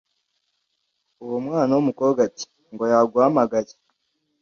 uwo mwana-wumukobwa ati”ngo yaguhamagaye